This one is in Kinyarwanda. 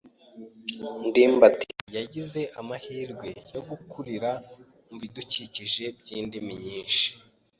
ndimbati yagize amahirwe yo gukurira mubidukikije byindimi nyinshi.